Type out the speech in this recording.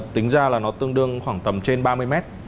tính ra là nó tương đương khoảng tầm trên ba mươi mét